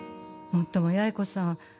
もっとも八重子さん